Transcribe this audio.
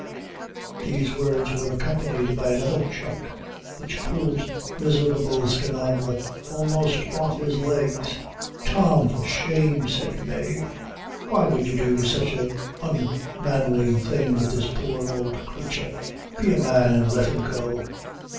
These words were accompanied by another chuck, which pulled miserable Skinadre almost off his legs. "Tom, for shame," said Mave, "why would you do sich an unmanly thing with this poor ould crature? be a man, and let him go."